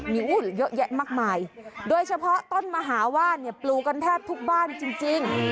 มีอุ้ยเยอะแยะมากมายโดยเฉพาะต้นมหาว่าเนี่ยปลูกกันแทบทุกบ้านจริง